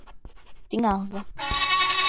— Тӱҥалза.